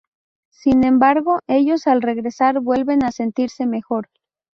Sin embargo, ellos al regresar vuelven a sentirse mejor.